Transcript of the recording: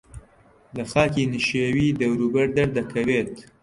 لە خاکی نشێوی دەوروبەر دەردەکەوێت